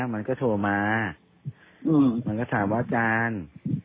มันก็ถามว่าอาจารย์